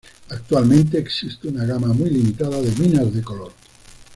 Actualmente, existe una gama muy limitada de minas de color.